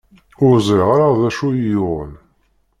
Ur ẓriɣ ara d acu i yi-yuɣen.